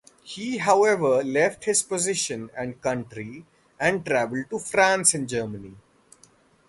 He however left his position and country and travelled to France and Germany.